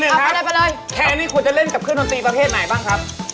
เอาผมตอบเลยเบอร์๑ครับแคนที่คุณจะเล่นกับเครื่องดนตรีประเภทไหนบ้างครับเอาไปเลย